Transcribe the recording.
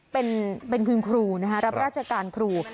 เป็นคุณครูนะครับรับราชการครู